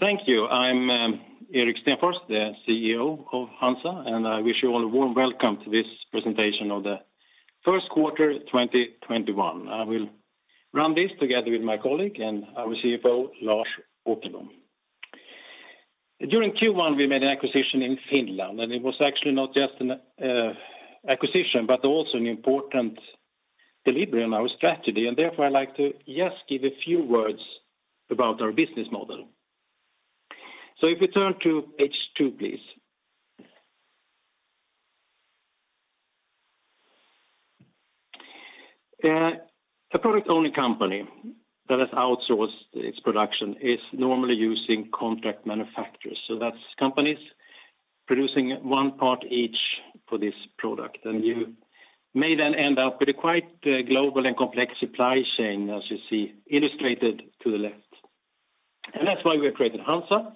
Thank you. I'm Erik Stenfors, the CEO of HANZA, I wish you all a warm welcome to this presentation of the first quarter 2021. I will run this together with my colleague and our CFO, Lars Åkerblom. During Q1, we made an acquisition in Finland, it was actually not just an acquisition, but also an important delivery on our strategy, therefore, I'd like to just give a few words about our business model. If we turn to page two, please. A product-only company that has outsourced its production is normally using contract manufacturers, that's companies producing one part each for this product. You may end up with a quite global and complex supply chain, as you see illustrated to the left. That's why we have created HANZA.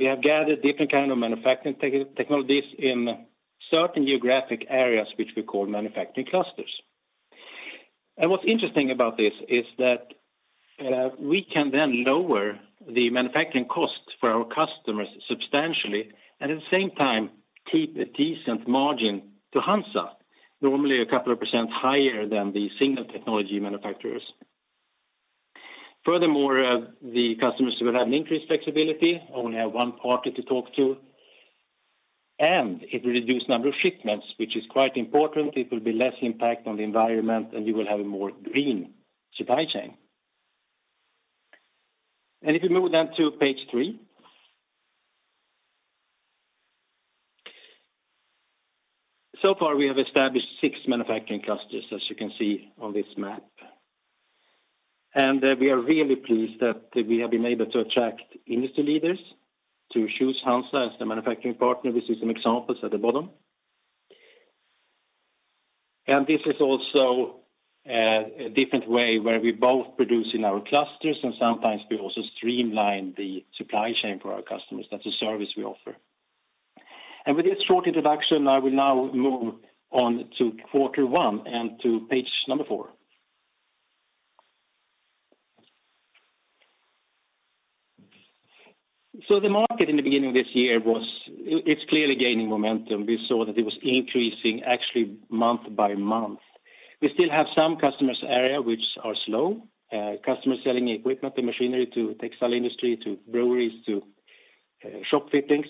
We have gathered different kind of manufacturing technologies in certain geographic areas, which we call manufacturing clusters. What's interesting about this is that we can then lower the manufacturing costs for our customers substantially, and at the same time, keep a decent margin to HANZA, normally a couple of percent higher than the single technology manufacturers. Furthermore, the customers will have an increased flexibility, only have one party to talk to, and it will reduce the number of shipments, which is quite important. It will be less impact on the environment, and you will have a more green supply chain. If we move then to page three. So far, we have established six manufacturing clusters, as you can see on this map, and we are really pleased that we have been able to attract industry leaders to choose HANZA as the manufacturing partner. We see some examples at the bottom. This is also a different way where we both produce in our clusters and sometimes we also streamline the supply chain for our customers. That's a service we offer. With this short introduction, I will now move on to quarter one and to page number four. The market in the beginning of this year, it's clearly gaining momentum. We saw that it was increasing actually month by month. We still have some customers area which are slow, customers selling equipment and machinery to textile industry, to breweries, to shop fittings.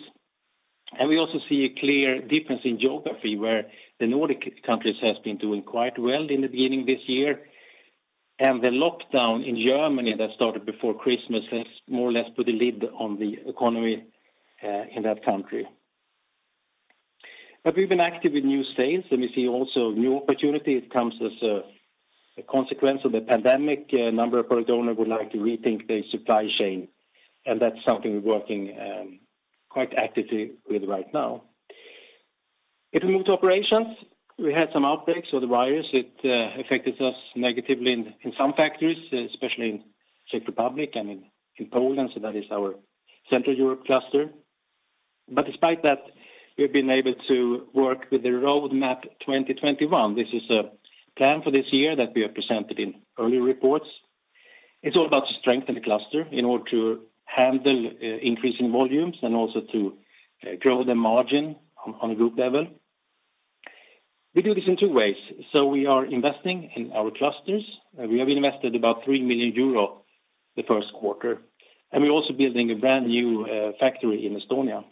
And we also see a clear difference in geography, where the Nordic countries has been doing quite well in the beginning this year. The lockdown in Germany that started before Christmas has more or less put a lid on the economy in that country. But we've been active with new sales, and we see also new opportunities comes as a consequence of the pandemic. A number of product owner would like to rethink their supply chain, and that's something we're working quite actively with right now. If we move to operations, we had some outbreaks of the virus that affected us negatively in some factories, especially in Czech Republic and in Poland, so that is our Central Europe cluster. Despite that, we've been able to work with the roadmap 2021. This is a plan for this year that we have presented in earlier reports. It's all about to strengthen the cluster in order to handle increasing volumes and also to grow the margin on a group level. We do this in two ways. We are investing in our clusters. We have invested about 3 million euro the first quarter, and we're also building a brand new factory in Estonia.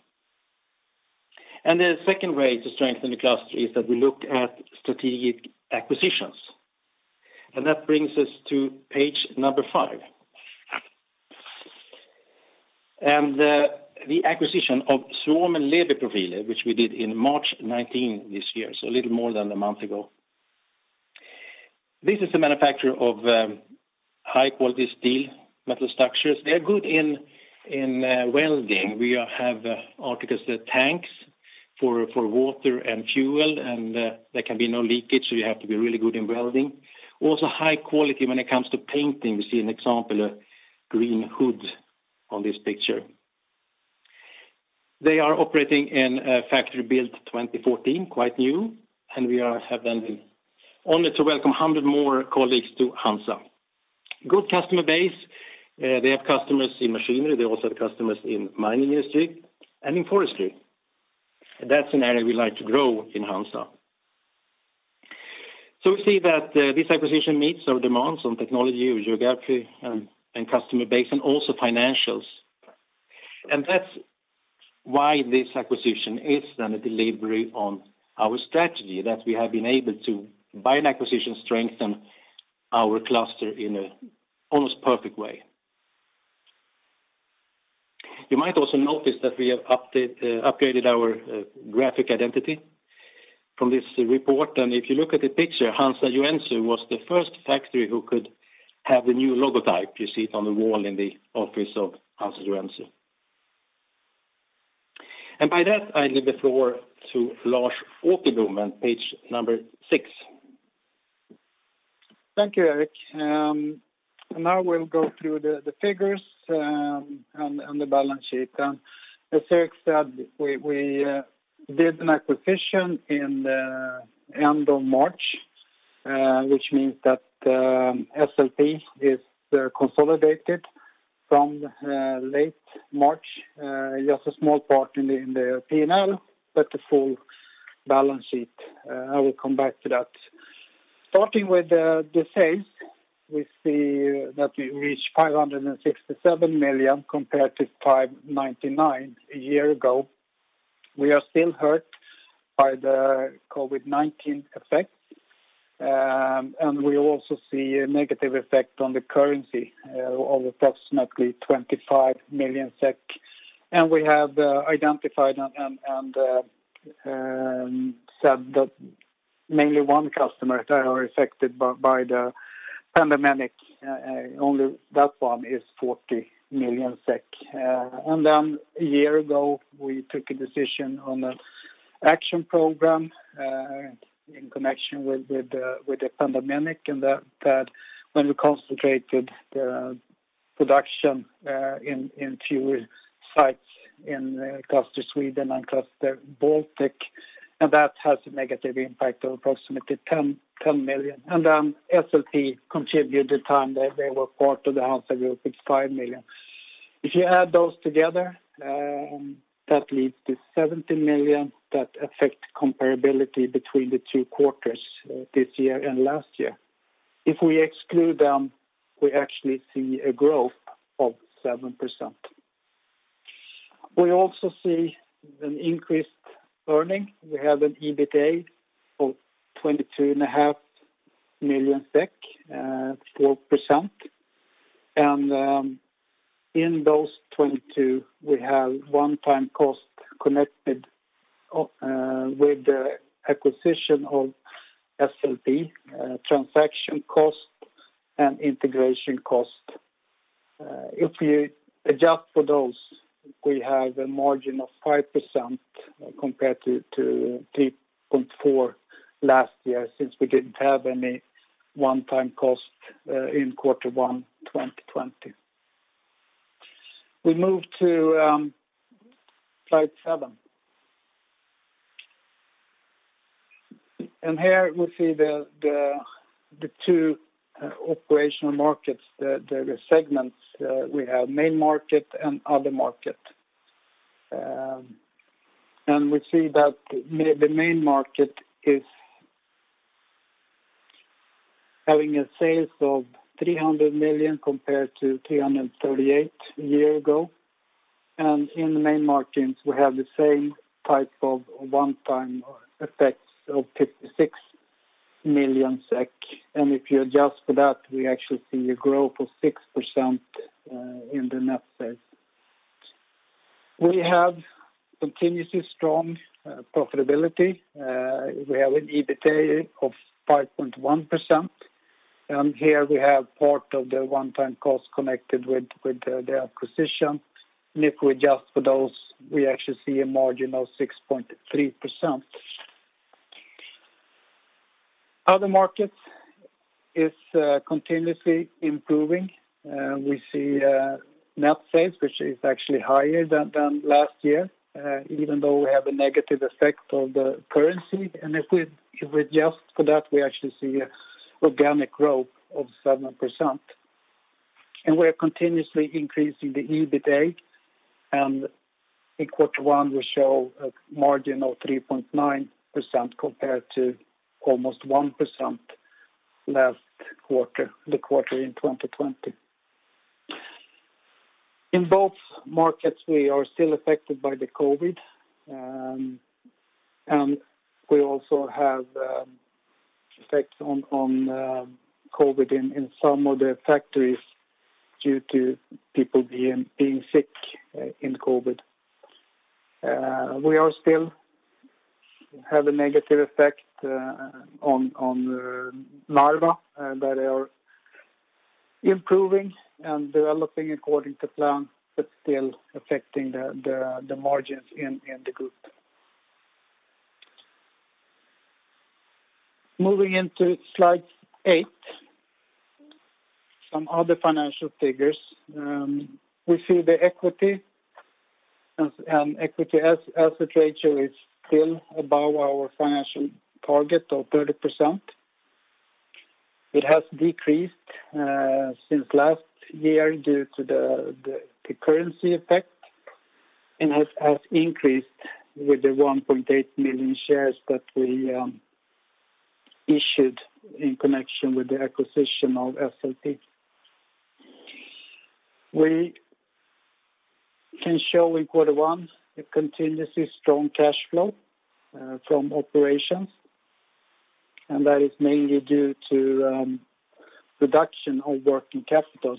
The second way to strengthen the cluster is that we look at strategic acquisitions. That brings us to page number five. The acquisition of Suomen Levyprofiili, which we did in March 19 this year, so a little more than a month ago. This is a manufacturer of high-quality sheet metal structures. They're good in welding. We have articles, the tanks for water and fuel, and there can be no leakage, so you have to be really good in welding. Also high quality when it comes to painting. We see an example, a green hood on this picture. They are operating in a factory built 2014, quite new, and we have the honor to welcome 100 more colleagues to HANZA. Good customer base. They have customers in machinery. They also have customers in mining industry and in forestry. That's an area we like to grow in HANZA. We see that this acquisition meets our demands on technology, geography, and customer base, and also financials. That's why this acquisition is then a delivery on our strategy, that we have been able to, by an acquisition, strengthen our cluster in a almost perfect way. You might also notice that we have upgraded our graphic identity from this report. If you look at the picture, HANZA Joensuu was the first factory who could have the new logotype. You see it on the wall in the office of HANZA Joensuu. By that, I leave the floor to Lars Åkerblom on page number six. Thank you, Erik. Now we'll go through the figures on the balance sheet. As Erik said, we did an acquisition in the end of March. Which means that SLP is consolidated from late March. Just a small part in the P&L, but the full balance sheet. I will come back to that. Starting with the sales, we see that we reached 567 million compared to 599 a year ago. We are still hurt by the COVID-19 effect, and we also see a negative effect on the currency of approximately 25 million SEK. We have identified and said that mainly one customer that are affected by the pandemic, only that one is 40 million SEK. A year ago, we took a decision on an action program in connection with the pandemic, and that when we concentrated the production in two sites in Cluster Sweden and Cluster Baltics, and that has a negative impact of approximately 10 million. SLP contribute the time that they were part of the HANZA Group with 5 million. If you add those together, that leads to 70 million that affect comparability between the two quarters this year and last year. If we exclude them, we actually see a growth of 7%. We also see an increased earning. We have an EBITDA of 22.5 million SEK, 4%. In those 22, we have one-time cost connected with the acquisition of SLP, transaction cost, and integration cost. If you adjust for those, we have a margin of 5% compared to 3.4% last year, since we didn't have any one-time cost in Q1 2020. We move to slide seven. Here we see the two operational markets, the segments. We have Main markets and Other markets. We see that the Main markets is having a sales of 300 million compared to 338 million a year ago. In the Main markets, we have the same type of one-time effects of 56 million SEK. If you adjust for that, we actually see a growth of 6% in the net sales. We have continuously strong profitability. We have an EBITDA of 5.1%, and here we have part of the one-time cost connected with the acquisition. If we adjust for those, we actually see a margin of 6.3%. Other markets is continuously improving. We see net sales, which is actually higher than last year, even though we have a negative effect of the currency. If we adjust for that, we actually see a organic growth of 7%. And we are continuously increasing the EBITDA. In Q1, we show a margin of 3.9% compared to almost 1% last quarter, the quarter in 2020. In both markets, we are still affected by the COVID. We also have effects on COVID in some of the factories due to people being sick in COVID. We are still have a negative effect on Narva, but they are improving and developing according to plan, but still affecting the margins in the group. Moving into slide eight, some other financial figures. We see the Equity to Asset Ratio is still above our financial target of 30%. It has decreased since last year due to the currency effect and has increased with the 1.8 million shares that we issued in connection with the acquisition of SLP. We can show in Q1 a continuously strong cash flow from operations, that is mainly due to reduction of working capital.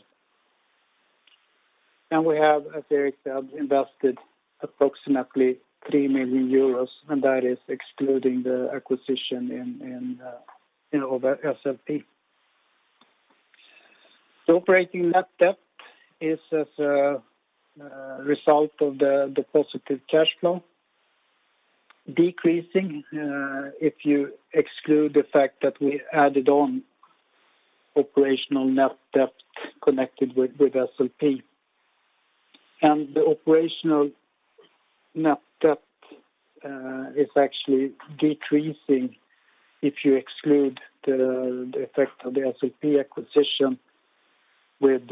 We have, as Erik said, invested approximately 3 million euros, and that is excluding the acquisition in SLP. The operating net debt is as a result of the positive cash flow decreasing, if you exclude the fact that we added on operational net debt connected with SLP. The operational net debt is actually decreasing if you exclude the effect of the SLP acquisition with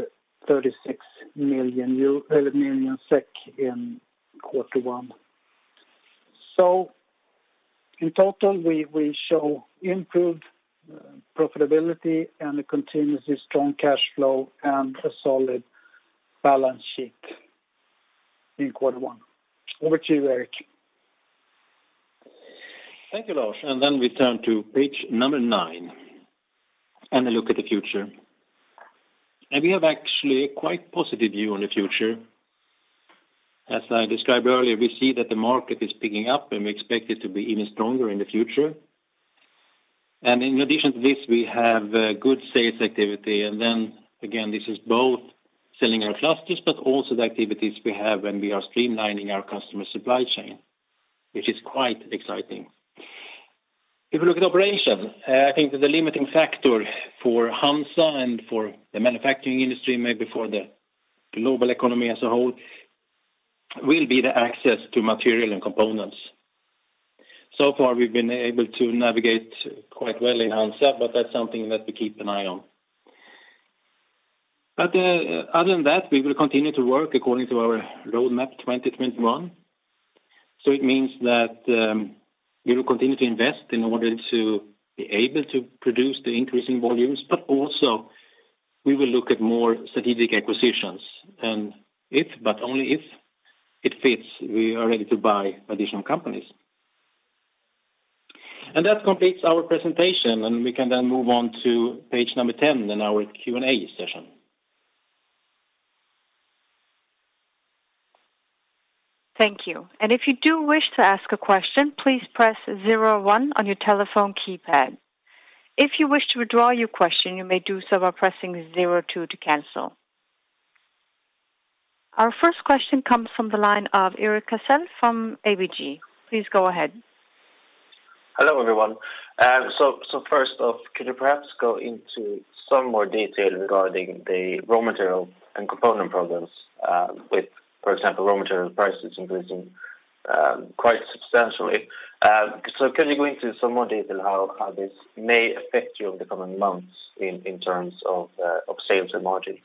36 million in quarter one. In total, we show improved profitability and a continuously strong cash flow and a solid balance sheet in quarter one. Over to you, Erik. Thank you, Lars. We turn to page number nine, and a look at the future. We have actually a quite positive view on the future. As I described earlier, we see that the market is picking up, and we expect it to be even stronger in the future. In addition to this, we have good sales activity. And this is both selling our clusters, but also the activities we have when we are streamlining our customer supply chain, which is quite exciting. If you look at operation, I think that the limiting factor for HANZA and for the manufacturing industry, maybe for the global economy as a whole, will be the access to material and components. So far, we've been able to navigate quite well in HANZA, but that's something that we keep an eye on. Other than that, we will continue to work according to our roadmap 2021. It means that we will continue to invest in order to be able to produce the increase in volumes, but also we will look at more strategic acquisitions. If, but only if, it fits, we are ready to buy additional companies. That completes our presentation, and we can then move on to page number 10, then our Q&A session. Thank you. If you do wish to ask a question, please press 01 on your telephone keypad. If you wish to withdraw your question, you may do so by pressing 02 to cancel. Our first question comes from the line of Erik Cassel from ABG. Please go ahead. Hello, everyone. First off, could you perhaps go into some more detail regarding the raw material and component problems with, for example, raw material prices increasing quite substantially? Could you go into some more detail how this may affect you over the coming months in terms of sales and margins?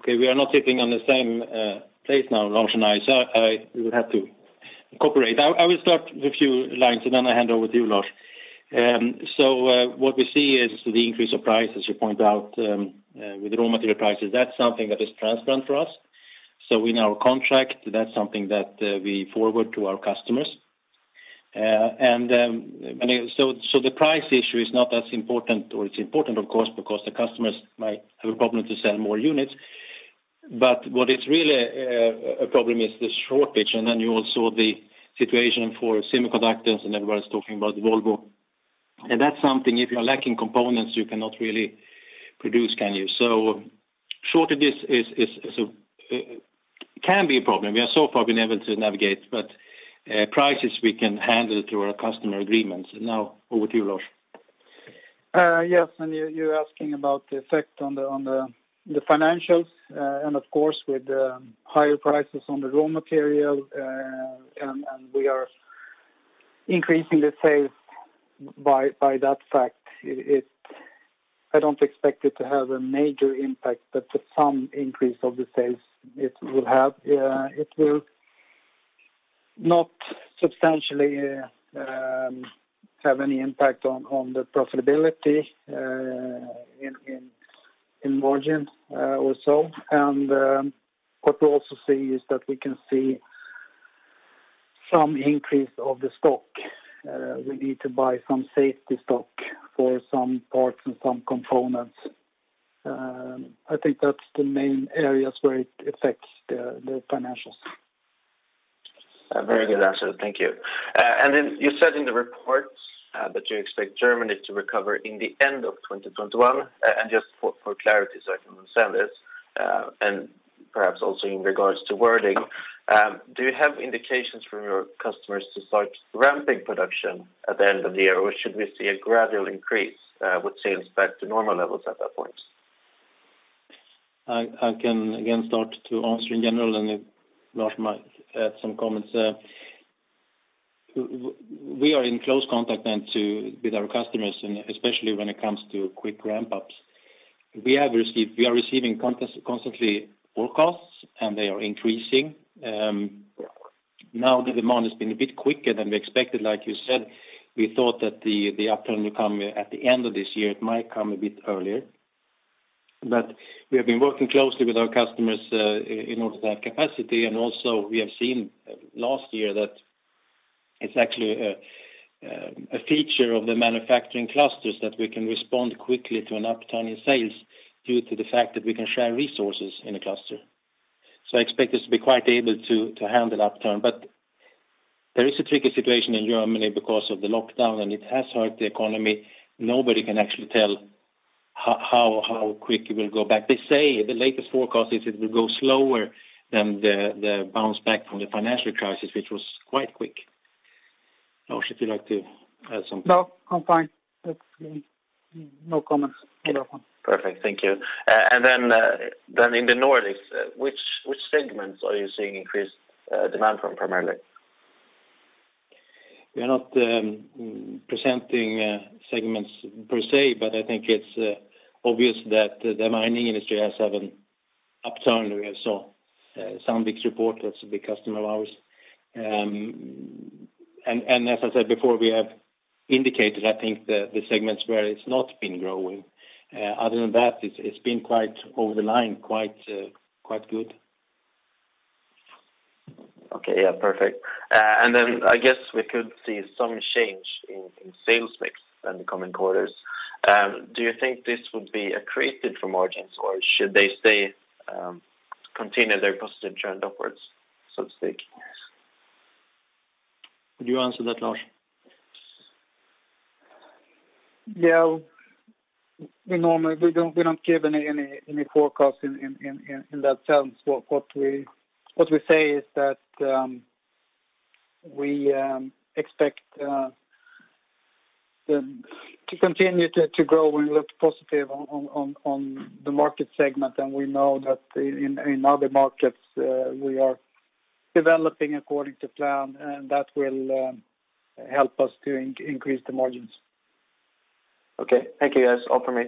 Okay. We are not sitting on the same place now, Lars and I, so we will have to cooperate. I will start with a few lines, and then I hand over to you, Lars. What we see is the increase of price, as you point out, with the raw material prices. That's something that is transparent for us. In our contract, that's something that we forward to our customers. The price issue is not as important, or it's important of course, because the customers might have a problem to sell more units. What is really a problem is the shortage, and then you also the situation for semiconductors and everyone's talking about Volvo. That's something, if you're lacking components, you cannot really produce, can you? We are so far been able to navigate, but prices we can handle through our customer agreements. Now, over to you, Lars. Yes. You're asking about the effect on the financials, and of course, with higher prices on the raw material, we are increasing the sales by that fact. I don't expect it to have a major impact, but some increase of the sales it will have. It will not substantially have any impact on the profitability in margin also. What we also see is that we can see some increase of the stock. We need to buy some safety stock for some parts and some components. I think that's the main areas where it affects the financials. Very good answer. Thank you. And then you said in the report that you expect Germany to recover in the end of 2021. Just for clarity, so I can understand this, and perhaps also in regards to wording, do you have indications from your customers to start ramping production at the end of the year? Should we see a gradual increase with sales back to normal levels at that point? I can again start to answer in general, and if Lars might add some comments. We are in close contact with our customers, and especially when it comes to quick ramp-ups. We are receiving constantly work costs, and they are increasing. The demand has been a bit quicker than we expected, like you said. We thought that the upturn will come at the end of this year. It might come a bit earlier. We have been working closely with our customers in order to have capacity. Also we have seen last year that it's actually a feature of the manufacturing clusters that we can respond quickly to an upturn in sales due to the fact that we can share resources in a cluster. I expect us to be quite able to handle upturn. There is a tricky situation in Germany because of the lockdown, and it has hurt the economy. Nobody can actually tell how quick it will go back. They say the latest forecast is it will go slower than the bounce back from the financial crisis, which was quite quick. Lars, would you like to add something? No, I'm fine. No comment. Perfect. Thank you. In the Nordics, which segments are you seeing increased demand from primarily? We're not presenting segments per say, but I think it's obvious that the mining industry has had an upturn. We have seen Sandvik's report, that's a big customer of ours. As I said before, we have indicated, I think, the segments where it's not been growing. Other than that, it's been quite over the line, quite good. Okay. Yeah, perfect. I guess we could see some change in sales mix in the coming quarters. Do you think this would be accretive for margins or should they continue their positive trend upwards, so to speak? Would you answer that, Lars? Yeah. We don't give any forecast in that sense. What we say is that we expect to continue to grow and look positive on the market segment, and we know that in Other markets, we are developing according to plan, and that will help us to increase the margins. Okay. Thank you, guys. All from me.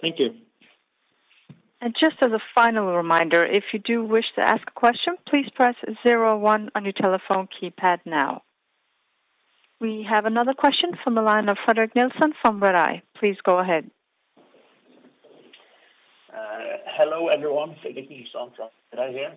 Thank you. Just as a final reminder, if you do wish to ask a question, please press 01 on your telephone keypad now. We have another question from the line of Fredrik Nilsson from Redeye. Please go ahead. Hello, everyone. Fredrik Nilsson from Redeye here.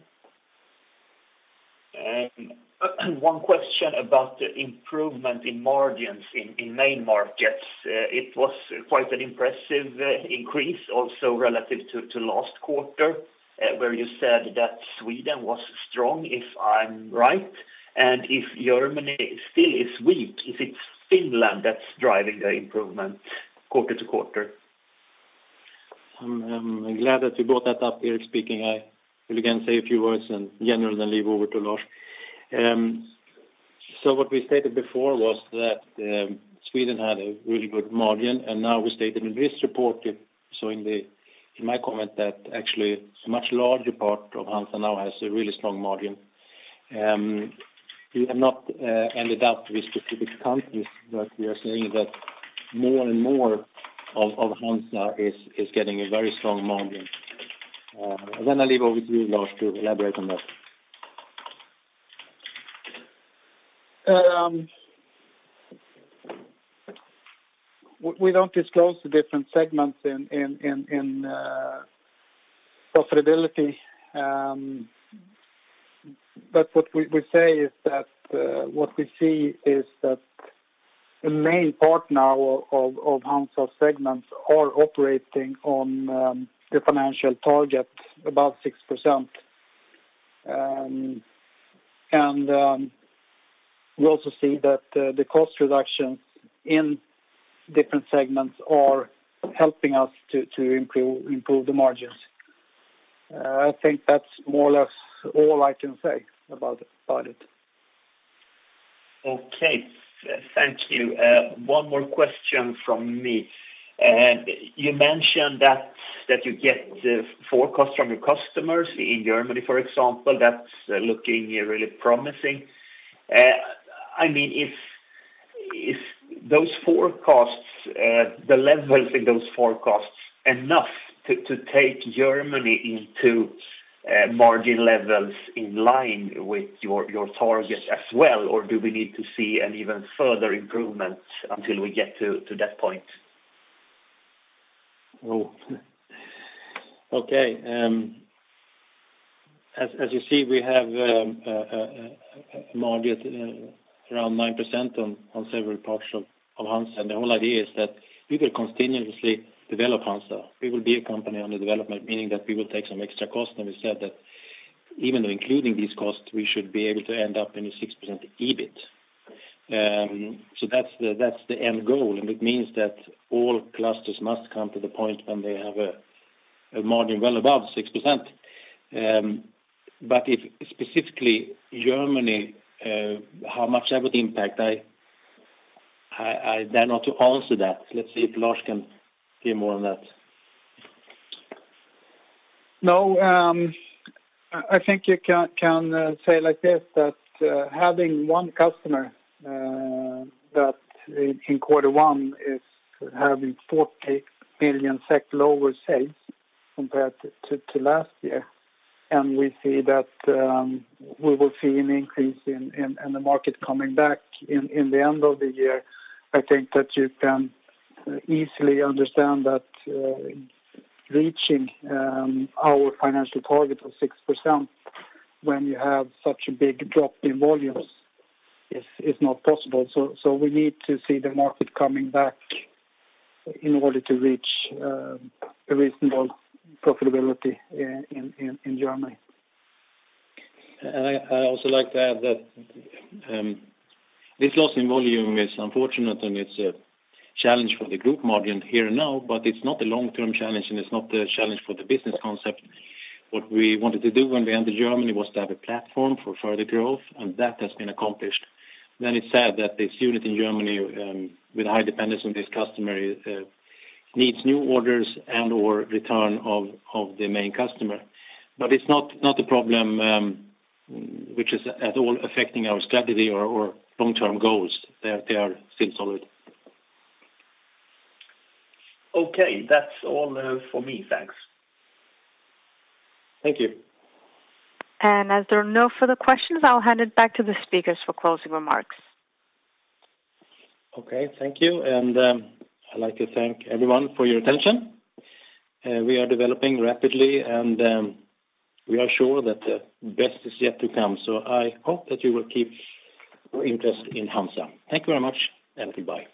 One question about the improvement in margins in Main markets. It was quite an impressive increase also relative to last quarter, where you said that Sweden was strong, if I'm right? If Germany still is weak, if it's Finland that's driving the improvement quarter-to-quarter? I'm glad that you brought that up. Erik speaking. I will again say a few words in general, leave over to Lars. What we stated before was that Sweden had a really good margin, and now we stated in this report, in my comment that actually a much larger part of HANZA now has a really strong margin. We have not ended up with specific countries, but we are saying that more and more of HANZA is getting a very strong margin. I leave over to you, Lars to elaborate on that. We don't disclose the different segments in profitability. What we say is that what we see is that a main part now of HANZA segments are operating on the financial target, about 6%. We also see that the cost reductions in different segments are helping us to improve the margins. I think that's more or less all I can say about it. Okay, thank you. One more question from me. You mentioned that you get the forecast from your customers in Germany, for example, that's looking really promising. I mean, is the levels in those forecasts enough to take Germany into margin levels in line with your target as well? Do we need to see an even further improvement until we get to that point? Okay. As you see, we have a margin around 9% on several parts of HANZA. The whole idea is that we will continuously develop HANZA. We will be a company under development, meaning that we will take some extra costs, and we said that even though including these costs, we should be able to end up in a 6% EBITDA. That's the end goal, and it means that all clusters must come to the point when they have a margin well above 6%. If specifically Germany, how much that would impact, I dare not to answer that. Let's see if Lars can say more on that. I think you can say it like this, that having one customer that in quarter one is having 40 million lower sales compared to last year, and we will see an increase in the market coming back in the end of the year. I think that you can easily understand that reaching our financial target of 6% when you have such a big drop in volumes is not possible. We need to see the market coming back in order to reach a reasonable profitability in Germany. I also like to add that this loss in volume is unfortunate, and it's a challenge for the group margin here now, but it's not a long-term challenge, and it's not a challenge for the business concept. What we wanted to do when we entered Germany was to have a platform for further growth, and that has been accomplished. It's sad that this unit in Germany, with high dependence on this customer, needs new orders and/or return of the main customer. It's not a problem which is at all affecting our strategy or long-term goals. They are still solid. Okay. That's all for me. Thanks. Thank you. As there are no further questions, I'll hand it back to the speakers for closing remarks. Okay. Thank you. I'd like to thank everyone for your attention. We are developing rapidly, and we are sure that the best is yet to come. I hope that you will keep your interest in HANZA. Thank you very much, and goodbye.